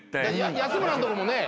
安村のとこもね